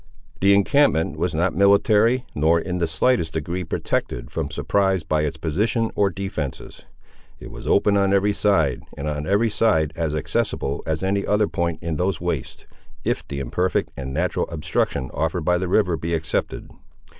The encampment was not military, nor in the slightest degree protected from surprise by its position or defences. It was open on every side, and on every side as accessible as any other point in those wastes, if the imperfect and natural obstruction offered by the river be excepted.